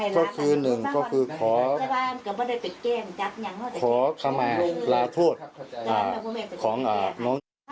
ก็คือหนึ่งก็คือขอขมาลาโทษของน้องนิ